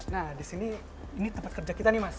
nah di sini ini tempat kerja kita nih mas